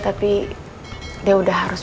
tapi dia udah harus